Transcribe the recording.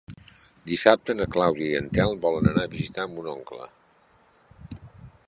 Dissabte na Clàudia i en Telm volen anar a visitar mon oncle.